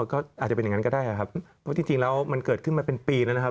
ก็อาจจะเป็นอย่างนั้นก็ได้ครับเพราะจริงแล้วมันเกิดขึ้นมาเป็นปีแล้วนะครับ